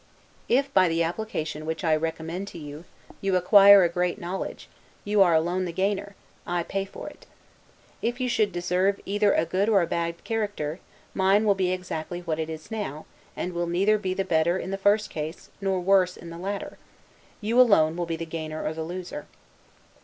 If, by the application which I recommend to you, you acquire great knowledge, you alone are the gainer; I pay for it. If you should deserve either a good or a bad character, mine will be exactly what it is now, and will neither be the better in the first case, nor worse in the latter. You alone will be the gainer or the loser.